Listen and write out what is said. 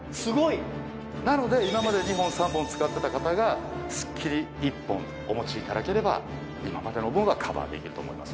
なので今まで２本３本使ってた方がすっきり１本お持ちいただければ今までの分はカバーできると思います。